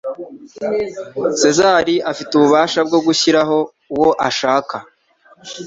sezari afite ububasha bwo gushyiraho uwo ashaka